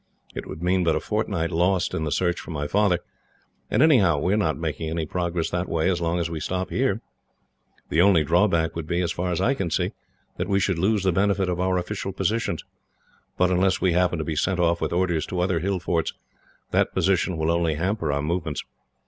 It would mean but a fortnight lost in the search for my father, and, anyhow, we are not making any progress that way as long as we stop here. The only drawback would be, so far as I can see, that we should lose the benefit of our official positions, but unless we happen to be sent off with orders to other hill forts, that position will only hamper our movements.